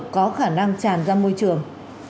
có khả năng tràn ra môi trường